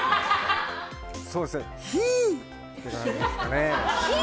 ひー！って感じですかね。